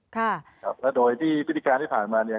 และโดยที่พิธีการที่ผ่านมาเนี่ย